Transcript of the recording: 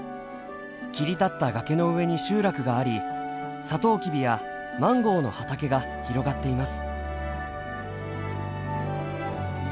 切り立った崖の上に集落がありサトウキビやマンゴーの畑が広がっています。